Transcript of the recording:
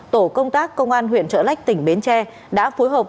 tổ công tác công an huyện trợ lách tỉnh bến tre đã phối hợp